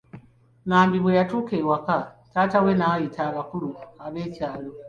Nambi bwe yatuuka ewaka, taata we n'ayita abakulu b'ekyaalo.